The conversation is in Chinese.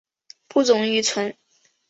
不溶于醇。